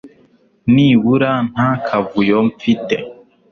nibura nta kavuyo mfite !